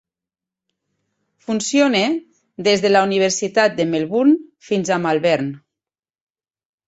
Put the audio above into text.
Funciona des de la Universitat de Melbourne fins a Malvern.